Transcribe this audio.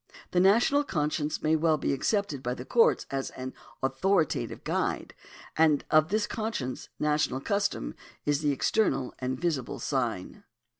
The national conscience may well be accepted by the courts as an authori tative guide ; and of this conscience national custom is the external and visible sign.